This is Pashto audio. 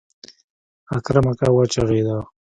اکرم اکا وچغېده.